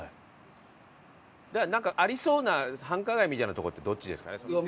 ありそうな繁華街みたいな所ってどっちですかね？